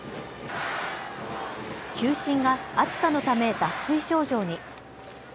球審が暑さのため脱水症状に。